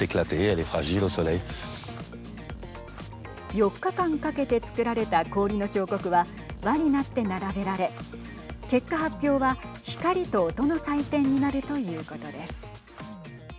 ４日間かけて作られた氷の彫刻は輪になって並べられ結果発表は光と音の祭典になるということです。